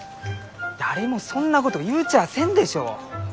誰もそんなこと言うちゃあせんでしょう！